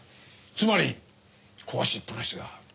つまり壊しっぱなしだ。